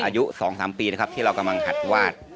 ตัวอายุสองสามปีนะครับที่เรากำลังหัดวาด